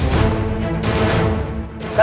jangan sampai mereka pergi ke bukit mandala